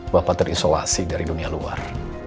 bapak terisolasi dari dunia luar